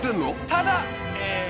ただ。